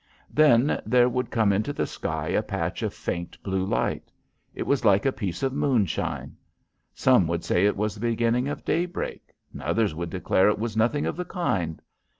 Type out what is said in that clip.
Then there would come into the sky a patch of faint blue light. It was like a piece of moonshine. Some would say it was the beginning of daybreak; others would declare it was nothing of the kind.